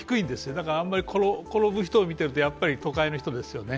だから転ぶ人を見ていると、やっぱり都会の人ですよね。